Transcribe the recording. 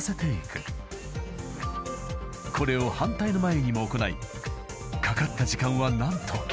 ［これを反対の眉にも行いかかった時間は何と］